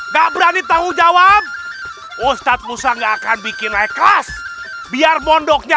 sampai jumpa di video selanjutnya